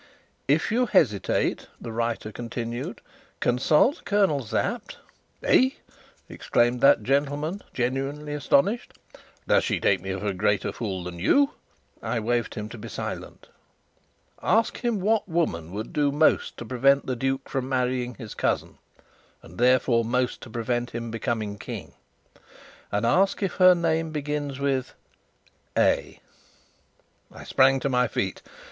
"If you hesitate," the writer continued, "consult Colonel Sapt " "Eh," exclaimed that gentleman, genuinely astonished. "Does she take me for a greater fool than you?" I waved to him to be silent. "Ask him what woman would do most to prevent the duke from marrying his cousin, and therefore most to prevent him becoming king? And ask if her name begins with A?" I sprang to my feet.